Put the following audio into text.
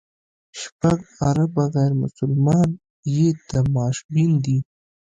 شپږ اربه غیر مسلمان یې تماشبین دي.